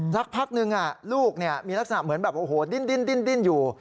สักพักนึงลูกมีลักษณะเหมือนแบบโอ้โหดิ้นอยู่